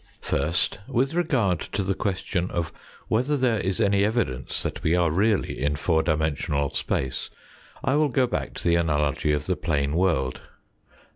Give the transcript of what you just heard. First, with regard to the question of whether there is any evidence that we are really in four dimensional space, I will go back to the analogy of the plane world.